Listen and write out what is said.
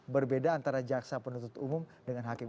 berbeda antara jaksa penuntut umum dengan hakim